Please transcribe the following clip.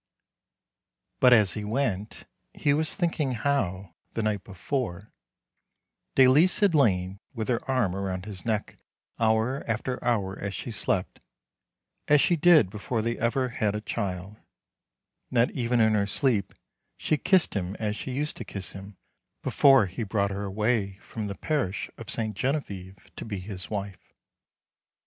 But as he went he was thinking how, the night before, Dalice had lain with her arm round his neck hour after hour as she slept, as she did before they ever had a child ; and that even in her sleep, she kissed him as she used to kiss him before he brought her away from the parish of Ste. Genevieve to be his wife.